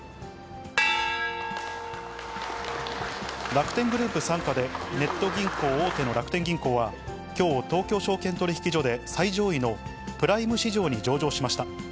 楽天グループ傘下で、ネット銀行大手の楽天銀行は、きょう、東京証券取引所で最上位のプライム市場に上場しました。